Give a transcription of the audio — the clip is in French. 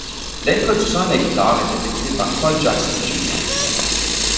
L'introduction à la guitare est effectuée par Paul Jackson Jr.